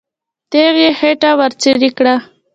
تیغ یې خېټه ورڅېړې کړه.